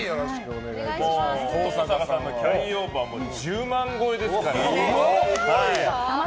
登坂さんのキャリーオーバー１０万超えですから。